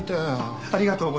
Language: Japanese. ありがとうございます。